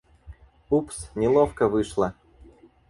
Упс, неловко вышло.